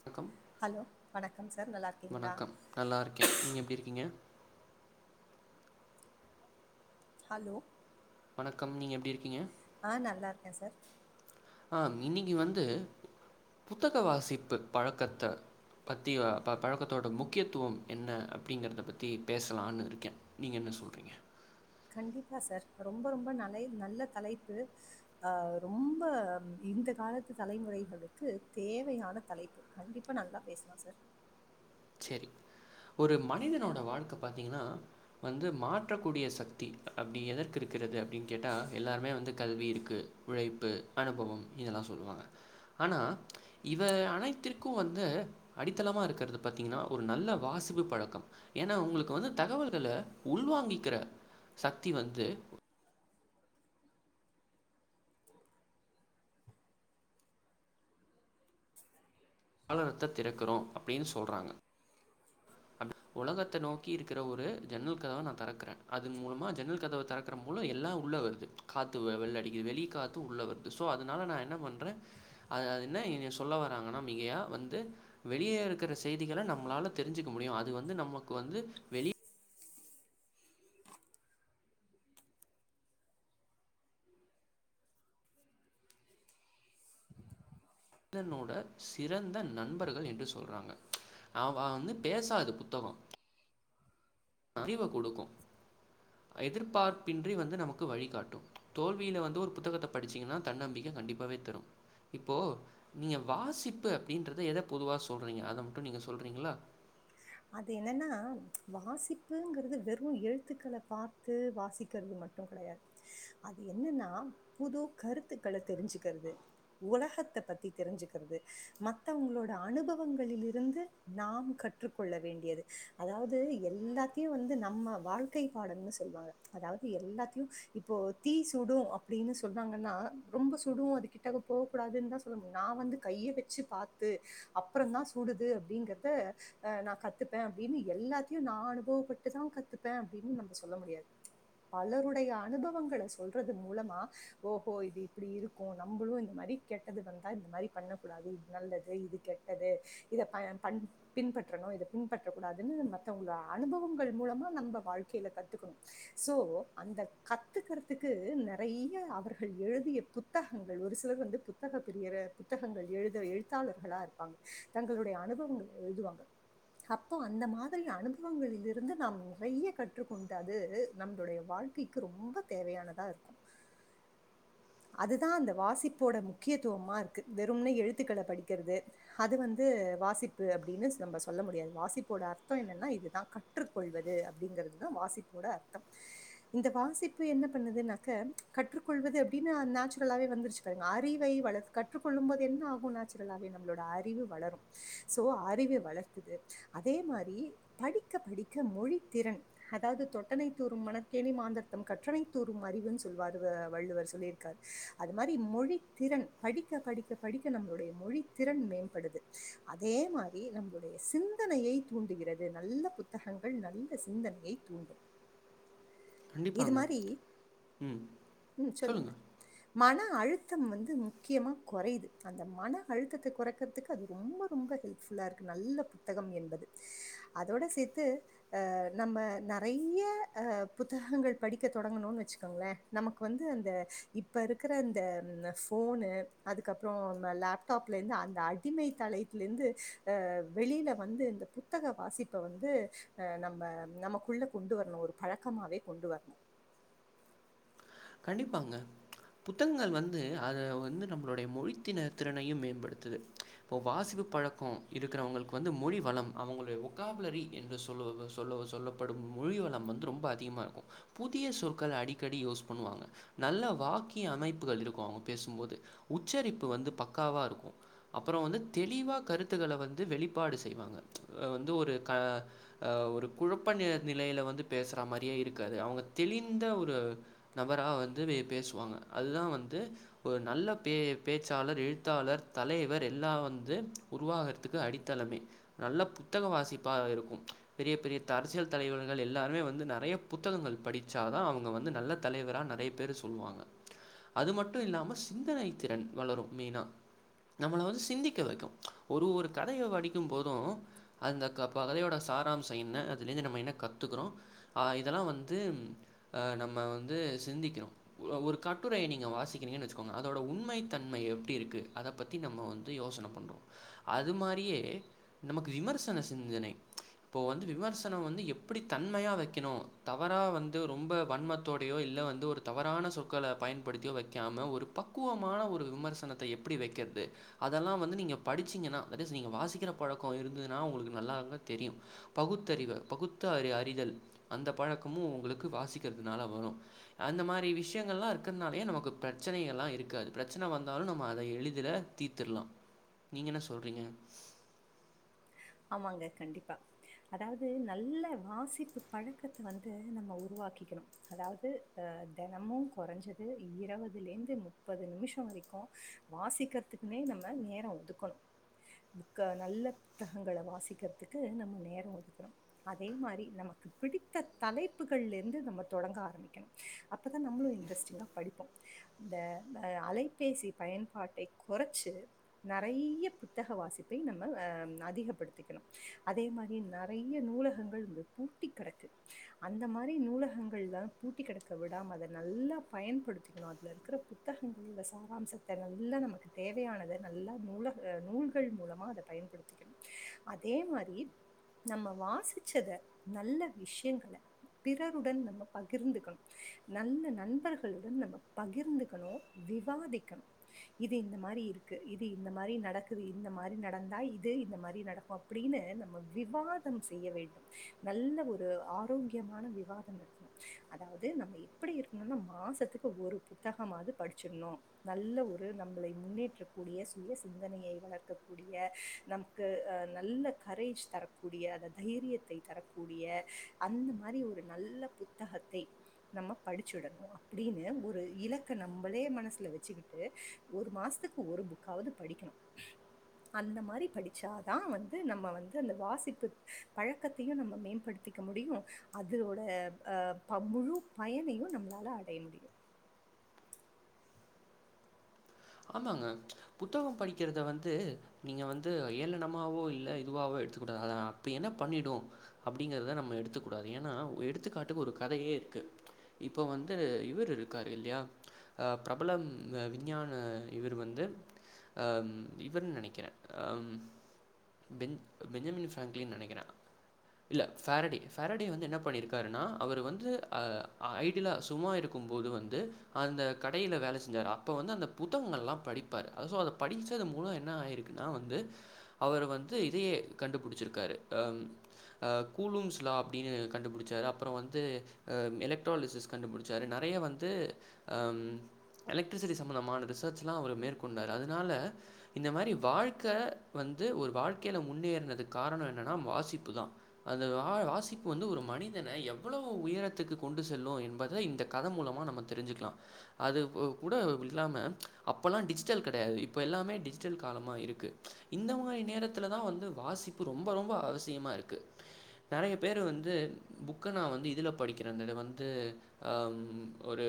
வணக்கம் ஹலோ வணக்கம் சார் நல்லா இருக்கீங்களா வணக்கம் நல்லா இருக்கேன் நீங்க எப்படி இருக்கீங்க ஹலோ வணக்கம் நீங்க எப்படி இருக்கீங்க ஆஹ் நல்லா இருக்கேன் சார் ஆம் இன்னைக்கு வந்து புத்தக வாசிப்பு பழக்கத்தை பத்தி பழக்கத்தோடய முக்கியத்துவம் என்ன அப்படிங்கிறத பத்தி பேசலான்னு இருக்கேன் நீங்கள் என்ன சொல்றீங்க கண்டிப்பா சார் ரொம்ப ரொம்ப நல்லை நல்ல தலைப்பு அஹ ரொம்ப இந்த காலத்து தலைமுறைகளுக்கு தேவையான தலைப்பு கண்டிப்பா நல்லா பேசலாம் சார் சோரி ஒரு மனிதனோட வாழ்க்க பார்த்தீங்கன்னா வந்து மாற்றக்கூடிய சக்தி அப்படி எதற்கு இருக்கிறது அப்படின்னு கேட்டால் எல்லாருமே வந்து கல்வி இருக்கு உழைப்பு அனுபவம் இதெல்லாம் சொல்லுவாங்க ஆனால் இவை அனைத்திற்கும் வந்து அடித்தளமாக இருக்கிறது பத்தீங்கன்னா ஒரு நல்ல வாசிப்பு பழக்கம் என உங்களுக்கு வந்து தகவல்களை உள்வாங்கிக்கிற சக்தி வந்து காலரத்தை திறக்குறோம் அப்படின்னு சொல்றாங்க உலகத்தை நோக்கி இருக்கிற ஒரு ஜன்னல் கதவை நான் திறக்கறேன் அதன் மூலமா ஜன்னல் கதவை திறக்குற மூல எல்லாம் உள்ள வருது காத்து வெள்ள அடிக்கது வெள காத்து உள்ள வருது சோ அதனால நான் என்ன பண்றேன் அ அது என்ன சொல்ல வராங்கன்னா மிகையா வந்து வெளியே இருக்கிற செய்திகளை நம்மளால தி தெரிஞ்சுக்க முடியும் அது வந்து நமக்கு வந்து வெளிய மனிதனோட சிறந்த நண்பர்கள் என்று சொல்றாங்க அவ வந்து பேசாது புத்தகம் அறிவை கொடுக்கும் எதிர்பார்ப்பின்றி வந்து நமக்கு வழிகாட்டும் தோல்வியில் வந்து ஒரு புத்தகத்தை படித்திங்கன்னா தன்னம்பிக்கை கண்டிப்பாவே தரும் இப்போ நீங்க வாசிப்பு அப்படின்றது எத பொதுவ சொல்லுங்க அத மட்டும் நீ சொல்றீ அது என்னன்னா வாசிப்புங்கிறது வெறும் எழுத்துக்களை பார்த்து வாசிக்கிறது மட்டும் கிடையாது அது என்னன்னா புது கருத்துக்களை தெரிஞ்சுக்கிறது உலகத்தை பத்தி தெரிஞ்சுக்கிறது மத்தவங்களோட அனுபவங்களில இருந்து நாம் கற் கற்றுக்கொள்ள வேண்டியது அதாவது எல்லாத்தையும் வந்து நம்ம வாழ்க்கை பாடம்னு சொல்லுவாங்க அதாவது எல்லாத்தையும் இப்போ தீ சுடும் அப்படின்னு சொல்லுவாங்கன்னா ரொம்ப சுடும் அதுக்கிட்டாக போக கூடாதுன்னு தான் சொல்லனு நான் வந்து கைய வச்சு பார்த்து அப்புறம தான் சுடுது அப்படிங்கறத நான் கத்துப்பேன் அப்படின்னு எல்லாத்தையும் நான் அனுபவப்பட்டுதான் கத்துப்பேன் அப்படின்னு நம்ம சொல்ல முடியாது பலருடைய அனுபவங்களை சொல்றது மூலமா ஓஹோ இது இப்படி இருக்கும் நம்மளும் இந்த மாரி கெட்டது வந்தா இந்த மாரி பண்ணக்கூடாது இது நல்லது இது கெட்டது இதைண் பண் பின்பற்ற னு பின்பற்றக்க கூடாதுன்னு மத்தவங்கள அனுபவங்கள் மூலமா நம்ம வாழ்க்கையில கத்துக்கணும் சோ அந்த கத்துக்கிறதுக்கு நிறைய அவர்கள் எழுதிய புத்தகங்கள் ஒரு சிலர் வந்து புத்தக பிரிய புத்தகங்கள் எழுத எழுத்தாளர்களா இருப்பாங்க தங்களுடைய அனுபவங்கள் எழுதுவாங்க அப்போ அந்த மாதிரி அனுபவங்களில இருந்து நாம் நிறைய கற்றுக்கொண்ட அது நம்மளுடைய வாழ்க்கைக்கு ரொம்ப தேவையானதா இருக்கும் அதுதான் அந்த வாசிப்போட முக்கியத்துவமா இருக்கு வெறும்னே எழுத்துக்களை படிக்கிறது அது வந்து வாசிப்பு அப்படின்னு நம்ம சொல்ல முடியாது வாசிப்போட அர்த்தம் என்னான இதுதான் கற்றுக்கொள்வது அப்படிங்கிறதுதான் வாசப்போட அர்த்தம் இந்த வாசிப்பு என்ன பண்ணதுனாக்க கற்றுக்கொள்வது அப்படின்னுநோச்சுரல வே அறிவை வளர் கற்றுக்கொள்ளும்பது என்ன ஆகும் நோச்சுரலவே நம்மளுடை அறிவு வளரும் சோ அறி வளத் அதே மாரி படிக்க படிக்க மொழி திறன் அதாவது தொட்டனை தூறும் மணக்கேணி மாந்தர்த்தம் கற்றனை தூறும் அறிவுன்னு சொல்வார் வள்ளுவர் சொல்லியிருக்கார் அது மாரி மொழி திறன் படிக்க படிக்க படிக்க நம்மளுடைய மொழி திறன் மேம்படுது அதே மாதிரி நம்மப சிந்தனையை தூண்டுகிறது நல்ல புத்தகங்கள் நல்ல சிந்தனையை தூண்டும் இது கண்டிப்பாங்க. மாரி ம். உம் சொல்லுங்க மன அழுத்தம் வந்து முக்கியமா குறையுது அந்த மன அழுத்தத்தை குறைக்கிறதுக்கு அது ரொம்ப ரொம்ப ஹெல்ப்ஃபுல்லாக இருக்கு நல்ல புத்தகம் என்பது அதோட சேர்த்து அஹ் நம்ம நிறைய அஹ் புத்தகங்கள் படிக்க தொடங்கணும்னு வச்சுக்கோங்களேன் நமக்கு வந்து அந்த இப்ப இருக்கிற அந்த போனு அதுக்கப்புறம் லேப்டாப்ல இருந்து அந்த அடிமை தலத்தல இருந்து அஹ் வெளியில வந்து இந்த புத்தக வாசிப்ப வந்து அஹ் நம்ம நமக்குள்ள கொண்டு வரணும் ஒரு பழக்கமாவே கொண்டு வரணும் கண்டிப்பாங்க புத்தகங்கள் வந்து அதை வந்து நம்மளுடைய மொழித்தின திறனையும் மேம்படுத்துது இப்போ வாசிவு பழக்கம் இருக்கிறவங்களுக்கு வந்து மொழி வளம் அவங்களுடைய ஒகாபலரி என்று சொல்ல சொல்ல சொல்லப்படும் மொழி வளம் வந்து ரொம்ப அதிகமா இருக்கும் புதிய சொற்களை அடிக்கடி யோஸ் பன்னுவாங்காங நல்ல வாக்கிய அமைப்புகள் இருக்கும் அவங்க பேசும்போது உச்சரிப்பு வந்து பக்காவா இருக்கும் அப்புறம் வந்து தெளிவா கருத்துக்களை வந்து வெளிப்பாடு செய்வாங்க வந்து ஒரு கஹ் ஒரு குழப்ப ந நிலையில வந்து பேசுற மாதிரியே இருக்காது அவங்க தெளிந்த ஒரு நபராக வந்து பேசுவாங்க அதுதான் வந்து ஒரு நல்ல பே பேச்சாளர் எழுத்தாளர் தலைவர் எல்லாம் வந்து உருவாகிறதுக்கு அடித்தளமே நல்ல புத்தக வாசிப்பாக இருக்கும் பெரிய பெரிய அரசியல் தலைவர்கள் எல்லாருமே வந்து நிறைய புத்தகங்கள் படித்தால் தான் அவங்க வந்து நல்ல தலைவராாக நிறைய பேர் சொல்லுவாங்க அது மட்டும் இல்லாமல் சிந்தனை திறன் வளரும் மெயினா நம்மளை வந்து சிந்திக்க வைக்கும் ஒரு ஒரு கதைய வடிக்கும் போதும் அந்த கதையோட சாராம்சம் என்ன அதுலந்து நம்ம என்ன கத்துக்கிறோம் இதெல்லாம் வந்து நம்ம வ சிந்திகிறோம் ஒரு கட்டுரை நிங்க வாசிக்கிறிங்க வச்சுகொங்க அதோட உண்மைதண்மை எப்படி இருக்கு அத பத்தி நம்ம வந்து யோசனை பன்றேம் அது மாரியோ நமக்கு விமசன சிந்தனை இப்பா வந்து எப்படி தன்மை விமசனம் வன்மையா வைக்கணும் தவற வந்து ரொம்ப வன்ம டைய இல்ல வந்து ஒரு தவறான சொற்களை பயன்படுத்தியோ வைக்காம ஒரு பக்குவமான ஒரு விமர்சனத்தை எப்படி வைக்கிறது அதெல்லாம் வந்து நீங்க படிச்சீங்கன்ன நீங்க வாசிக்கிற பழக்கம் இருந்ததுன்னா உங்களுக்கு நல்லா தெரியும் பகுத்தறிவு பத்த அறிதல் அந்த பழக்கமும் உங்களுக்கு வாசிக்கிறது னால வரும் அந்த மாதிரி விஷயங்கள் எல்லாம் இருக்கிறதுனாலயே நமக்கு பிரச்சனை எல்லாம் இருக்காது பிரச்சனை வந்தாலும் நம்ம அத எளிதல தீத்துிரலாம் நீங்க என்ன சொல்றீங்க ஆமாங்க கண்டிப்பா அதாவது நல்ல வாசிப்பு பழக்கத்தை வந்து நம்ம உருவாக்கிக்கணும் அதாவது அஹ் தினமும் குறைஞ்சது இருபதுல இருந்து முப்பது நிமிஷம் வரைக்கும் வாசிக்கிறதுக்குமே நம்ம நேரம் ஒதுக்கணும்க்க நல்ல புத்தகங்களை வாசிக்கிறதுக்கு நம்ம நேரம் ஒதுக்கணோும் அதே மாதிரி நமக்கு பிடித்த தலைப்புகள்லேருந்து நம்ம தொடங்க ஆரம்பிக்கணும் அப்போதான் நம்மளும் இன்ட்ரெஸ்ட்டிங்காக படிப்போம் இந்த அலைபேசி பயன்பாட்டை குறைச்சி நிறைய புத்தக வாசிப்பை நம்ம அதிகப்படுத்திக்கணும் அதே மாரி நிறைய நூலகங்கள் பூட்டிக்கிடக்கு அந்த மாரி நூலகங்கள்ல பூட்டிக் கிடக்கு விடாம அத நல்லா பயன்படுத்திக்கணும் அதுலா இருக்கிற புத்தகங்கள் சாராம்சத்தை நல்ல நமக்கு தேவையானது நல்ல நூலக நூல்கள் மூலமா அத பயன்படுத் அதே மாரி நம்ம வாசிச்சத நல்ல விஷயங்களை பிறருடன் நம்ம பகிர்ந்துக்கணும் நல்ல நண்பர்களுடன் நம்ம பகிர்ந்துக்கணும் விவாதிக்கணும் இது இந்த மாரி இருக்கு இது இந்த மாரி நடக்குது இந்த மாதிரி நடந்தா இ இந்த மாரி நடக்கும் அப்படின்னு நம்ம விவாதம் செய்ய வேண்டும் நல்ல ஒரு ஆரோக்கியமான விவாதம் இருக்கணும் அதாவது நம்ம எப்படி இருக்கணும்னா மாசத்துக்கு ஒரு புத்தகமாவது படிச்சிடணும் நல்ல ஒரு நம்மள முன்னேற்றக்கூடிய சுய சிந்தனையை வளர்க்கக்கூடிய நமக்கு அஹ நல்ல கரேஜ் தரக்கூடிய அ தைரியத்தை தரக்கூடிய அந்த மாரி ஒரு நல்ல புத்தகத்தை நம்ம படிச்சு விடணும் அப்படின்னு ஒரு இலக்க நம்மளே மனசுல வச்சுக்கிட்டு ஒரு மாசத்துக்கு ஒரு புக்காவது படிக்கணும் அந்த மாரி படிச்சாதான் வந்து நம்ம வந்து அந்த வாசிப்பு பழக்கத்தையும் நம்ம மேம்படுத்திக்க முடியும் அதோட அஹ் முழு பயனையும் நம்மளால அடைய முடியும் ஆமாங்க புத்தகம் படிக்கிறத வந்து நீங்க வந்து ஏளனமாவோ இல்ல இதுவாவோ எடுத்துக்கூடாது அத அப்ப என்ன பண்ணிடும் அப்படிங்கறத நம்ம எடுத்துக்க கூடாது ஏன்னா எடுத்துக்காட்டுக்கு ஒரு கதையே இருக்கு இப்போ வந்து இவர் இருக்காரு இல்லையாஹ் பிரபலம் விஞ்ஞான ஆஹ் இவரு வந்து இவரு நினைக்கிற ஆஹ் பெ பேன்ஜாமின் பிராங்கிளின் நினைக்கிறே இல்ல பிராடேய் பிராடேய் வந்து ஏன்னா பண்ணிருக்காருன்ன அவரு வந்து ஐடியால் லா சும்மா இருக்கும்போது வந்து அந்த கடைல வேலை செஞ்சாரு அப்ப வந்து அந்த புத்தகங்கள்லாம் படிப்பார் ஆல்சோ அதா படித்தது மூலம் என்ன ஆகிருக்குன்னா வந்து அவர் வந்து இதையே கண்டுபிடிச்சிருக்காரு ஆஹ் கூலூம்ஸ்லாம் அப்படின்னு கண்டுபிடிச்சாரு அப்பறம் வந்து எலக்ட்ரலிசஸ் கண்டுபிடிச்சாரு நிறைய வந்து ஆஹ் எலக்ட்ரிசிட்டி சம்பந்தமானது ரிசர்ச்லாம் அவர் மேற்கொண்டார் அதனால இந்த மாரி வாழ்க்கை வந்து ஒரு வாழ்க்கையில் முன்னேறினதுக்கு காரணம் என்னன்னா வாசிப்பு தான் அந்த வா வாசிப்பு வந்து ஒரு மனிதன எவ்வளவு உயரத்துக்கு கொண்டு செல்லும் என்பதை இந்த கதை மூலமாக நம்ம தெரிஞ்சுக்கலாம் அது கூட இல்லாம அப்போல்லாம் டிஜிட்டல் கிடையாது இப்போ எல்லாமே டிஜிட்டல் காலமா இருக்கு இந்த மாரி நேரத்துல தான் வந்து வாசிப்பு ரொம்ப ரொம்ப அவசியமா இருக்கு நிறைய பேரு வந்து புக்க நான் வந்து இதுல படிக்கிறேன் அந்த இது வந்துஹ ஒரு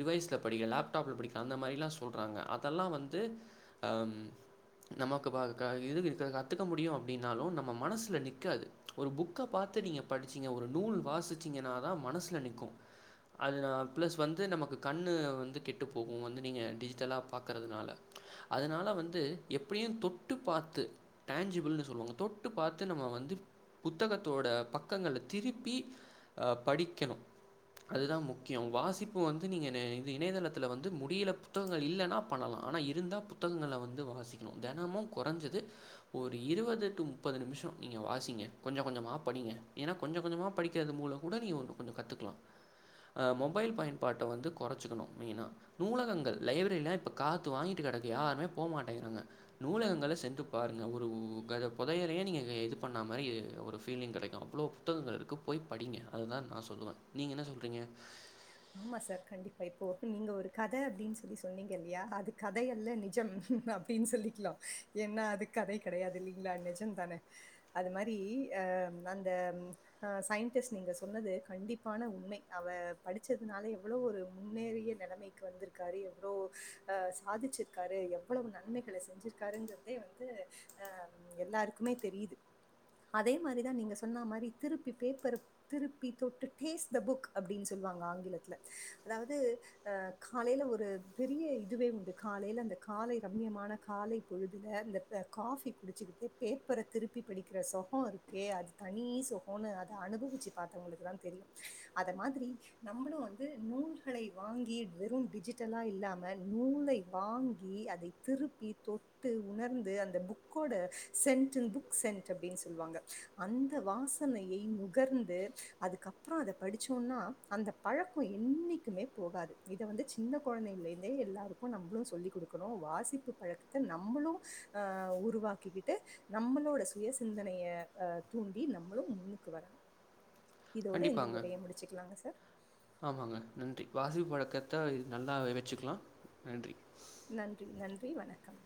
டிவைஸ்ல படிக்கன் லேப்டாப்ல படிக்கிறன் அந்த மாதிரிலா சொ ல்ராங்க அதாலாம் வந்து ஆஹ் ஆஹ் நமக்கு கத்துக்க முடியும் அப்படனாலும் நம்ம மனசல நிக் காது ஒரு புக்க பத்து படிச்சங்க ஒரு நூல் வாசிச்சீங்கன்ன தான் மனசுல நிக்கும் நமக்கு கண்ணு வந்து கெட்டு போகும் நீங்க டிஜி இதெல்லாம் பார்க்கறதுனால அதனால வந்து எப்படியும் தொட்டு பார்த்து டேஞ்சிபிள்னு சொல்லுவாங்க தொட்டு பார்த்து நம்ம வந்து புத்தகத்தோட பக்கங்கள திருப்பி ஆஹ் படிக்கணும் அதுதான் முக்கியம் வாசிப்பு வந்து நீங்கள இணையதளத்தில் வந்து முடியல புத்தகங்கள் இல்லைன்னா பண்ணலாம் ஆனால் இருந்தால் புத்தகங்களளை வந்து வாசிக்கணும் தினமும் குறைஞ்சது ஒரு இருபது டு முப்பது நிமிஷம் நீங்கள் வாசிங்க கொஞ்சம் கொஞ்சமாக படிங்க ஏன்னால் கொஞ்சம் கொஞ்சமாக படிக்கிறது மூலம் கூட நீங்க ஒன்று கொஞ்சம் கற்றுக்கலாம் மொபைல் பயன்பாட்டை வந்து குறைச்சிக்கணும் மெயினா நூலகங்கள் லைப்ரியிலாம் இப்போ காத்து வாங்கிட்டு கிடக்கு யாருமே போக மாட்டேங்கிறாங்க நூலகங்களை சென்று பாருங்கள் ஒரு கதை புதையலையே நீங்கள் இது பண்ணா மாதிரி ஒரு ஃபீலிங் கிடைக்கும் அவ்வளோ புத்தகங்கள் இருக்கு போய் படிங்க அதுதான் நா சொல்லுவேன் நீங்க என்ன சொல்கிறீங்க ஆமா சார் கண்டிப்பா இப்போ நீங்க ஒரு கதை அப்படின்னு சொல்லி சொன்னீங்க இல்லையா அது கதை அல்ல நிஜம் அப்படின்னு சொல்லிக்கலாம் ஏன்னா அது கதை கிடையாது இல்லைங்களா நிஜம் தானே அது மாரி அஹ் அந்தஹ் சயின்டிஸ்ட் நீங்க சொன்னது கண்டிப்பான உண்மை அவ படிச்சதுனால எவ்வளோ ஒரு முன்னேறிய நிலைமைக்கு வந்திருக்காரு எவ்வளோ அஹ் சாதிச்சிருக்காரு எவ்வளவு நன்மைகளை செஞ்சிருக்காருங்கிறதே வந்து அஹ் எல்லாருக்குமே தெரியுது அதே மாரிதான் நீங்க சொன்ன மாரி திருப்பி பேப்பர் திருப்பி தொட்டு பாஸ் தெ புக் சொல்வாங்க ஆங்கிலத்துல அதாவது அஹ் காலைல ஒரு பெரிய இதுவே உண்டு காலையில அந்த காலை ரம்யமான காலை பொழுதுல இந்த காபி குடிச்சக்கிட்டு பேப்பரை திருப்பி படிக்கிறகம் சொகம் இருக்கே அது தனி சொகம்னு அத அனுபவிச்சு பாத்தவங்களுக்கு தெரியும் அத மாரி நம்மளும் வந்து நூல்களை வாங்கி வெறும் டிஜிட்டலா இல்லாம நூலை வாங்கி அதை திருப்பி தொட்டு உணர்ந்து அந்த புக்கோட சென்ட் புக் சென்ட் அப்படின்னு சொல்லுவாங்க அந்த வாசனையை நுகர்ந்து அதுக்கப்பறம் அத படிச்சோம்னா அந்த பழக்கம் என்னைக்குமே போகாது இத வந்து சின்ன குழந்தைையல இருந்தே எல்லாருக்கும் நம்மளும் சொல்லிக் கொடுக்கணும் வாசிப்பு பழக்கத்தை நம்மளும் அஹ் உருவாக்கிக்கிட்டு நம்மளோட சுய சிந்தனைய அஹ் தூண்டி நம்மளும் முன்னுக்கு வரணும் இதோட இந்த கண்டிப்பாங்க. உரையை முடிச்சுக்கலாங்க சார் ஆமாங்க நன்றி வாசிப்பு பழக்கத்த நல்லா வச்சுக்கலாம் நன்றி நன்றி நன்றி வணக்கம்